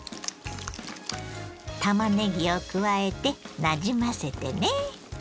たまねぎを加えてなじませてね。